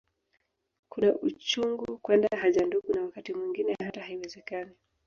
Kuna uchungu kwenda haja ndogo na wakati mwingine hata haiwezekani